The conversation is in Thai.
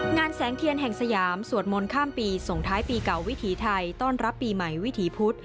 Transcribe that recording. งานแสงเทียนแห่งสยามสวดมนต์ข้ามปีส่งท้ายปีเก่าวิถีไทยต้อนรับปีใหม่วิถีพุธ